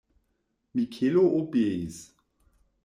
Mikelo obeis.